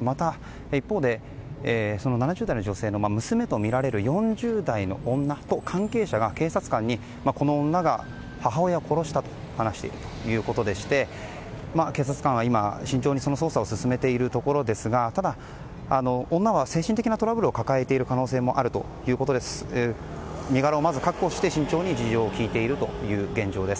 また一方で、７０代の女性の娘とみられる４０代の女関係者が警察官に、この女が母親を殺したと話しているということでして警察官は今、慎重に捜査を進めているところですがただ、女は精神的なトラブルを抱えている可能性もあるということですので身柄を確保して慎重に事情を聴いている現状です。